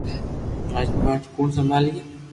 راج پاٺ ڪوڻ سمڀالئي